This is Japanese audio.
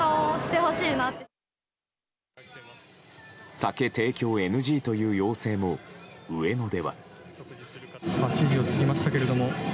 酒提供ＮＧという要請も上野では。